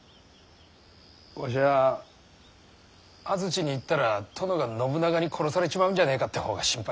わしゃ安土に行ったら殿が信長に殺されちまうんじゃねえかって方が心配だ。